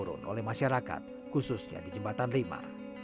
dan diperlukan oleh masyarakat khususnya di jembatan lima